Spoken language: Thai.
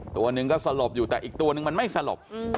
ตัวหนึ่งก็สลบอยู่แต่อีกตัวนึงมันไม่สลบ